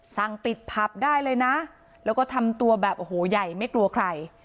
สั่งปิดผับได้เลยนะแล้วก็ทำตัวแบบโอ้โหใหญ่ไม่กลัวใคร